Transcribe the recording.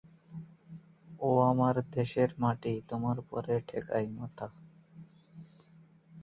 এই রাজ্যটির পশ্চিম দিকে ছিল নয়াগড় রাজ্য এবং অন্য তিন দিকে ছিল ব্রিটিশ ভারতের পুরী জেলা।